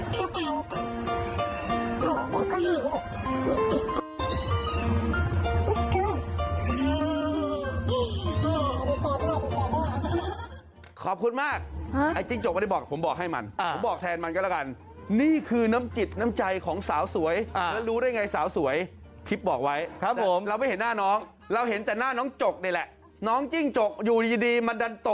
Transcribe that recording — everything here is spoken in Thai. เจอจิ้งจกทุกแต่เอาหัวจุมักเอ่อจุ่ม